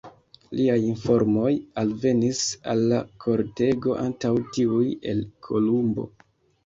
Liaj informoj alvenis al la kortego antaŭ tiuj el Kolumbo.